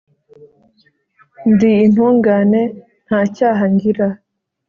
ndi intungane, nta cyaha ngira